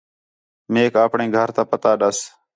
میک آپݨے گھر تا پتہ ݙَس